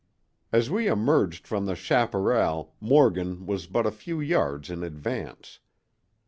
As we emerged from the chaparral Morgan was but a few yards in advance.